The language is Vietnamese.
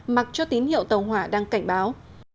mặc cho tín hiệu tàu hỏa đang cảnh báo